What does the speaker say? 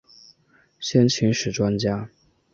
先秦史专家。